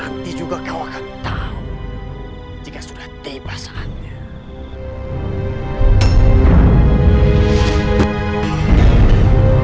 nanti juga kau akan tahu jika sudah tiba saatnya